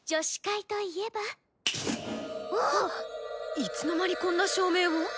いつの間にこんな照明を？